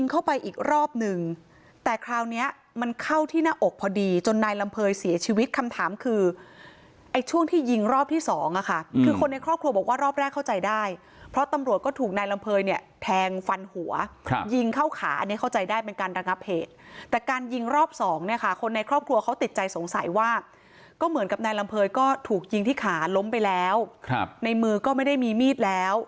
เข้าไปอีกรอบหนึ่งแต่คราวเนี้ยมันเข้าที่หน้าอกพอดีจนนายลำเภยเสียชีวิตคำถามคือไอ้ช่วงที่ยิงรอบที่สองอะค่ะคือคนในครอบครัวบอกว่ารอบแรกเข้าใจได้เพราะตำรวจก็ถูกนายลำเภยเนี้ยแทงฟันหัวครับยิงเข้าขาอันเนี้ยเข้าใจได้เป็นการระงับเหตุแต่การยิงรอบสองเนี้ยค่ะคนในครอบครั